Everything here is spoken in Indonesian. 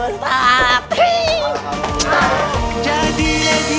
enggak tetep di atuh